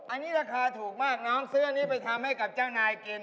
อันนี้ราคาถูกมากน้องซื้ออันนี้ไปทำให้กับเจ้านายกิน